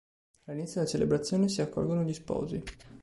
All'inizio della celebrazione si accolgono gli sposi.